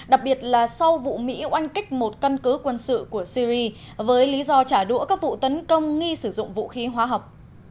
đặc biệt là sau vụ mỹ oanh kích một căn cứ quân sự của syri với lý do trả đũa các vụ tấn công nghi sử dụng vũ khí hóa học